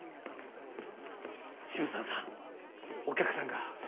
渋沢さんお客さんが。